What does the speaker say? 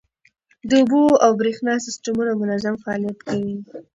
د اوبو او بریښنا سیستمونه منظم فعالیت کوي.